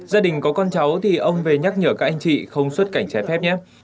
gia đình có con cháu thì ông về nhắc nhở các anh chị không xuất cảnh trái phép nhé